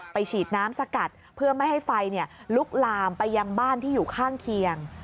ฉีดน้ำสกัดเพื่อไม่ให้ไฟลุกลามไปยังบ้านที่อยู่ข้างเคียง